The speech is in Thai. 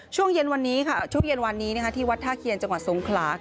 ช่วงเย็นวันนี้ที่วัดท่าเคียร์จังหวัดสงขลา